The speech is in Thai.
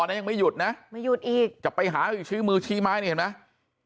นั้นยังไม่หยุดนะไม่หยุดอีกจะไปหาอีกชี้มือชี้ไม้นี่เห็นไหม